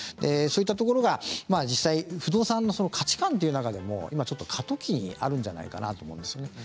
そういったところが実際不動産の価値観というところでも過渡期にあるんじゃないかなと思うんですね。